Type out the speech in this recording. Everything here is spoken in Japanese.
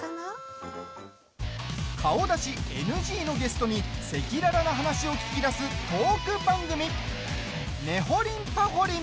顔出しＮＧのゲストに赤裸々な話を聞き出すトーク番組「ねほりんぱほりん」。